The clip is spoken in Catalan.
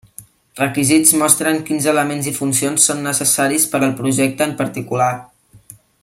Requisits mostren quins elements i funcions són necessaris per al projecte en particular.